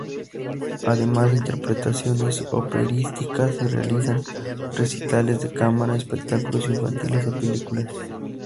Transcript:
Además de interpretaciones operísticas, se realizan recitales de cámara, espectáculos infantiles y películas.